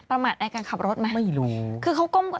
ประมาทใครการขับรถไหมคือเขากล้มไม่รู้